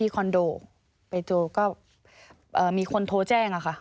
ก็มีคนโทรแจ้งค่ะ